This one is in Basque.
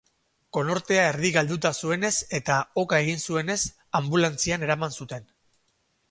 Konortea erdi galduta zuenez eta oka egin zuenez, anbulantzian eraman zuten.